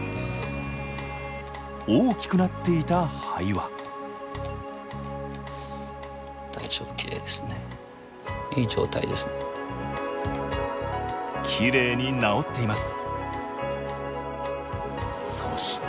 大きくなっていた肺はきれいに治っています。